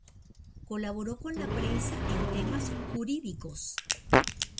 Colaboró con la prensa en temas jurídicos.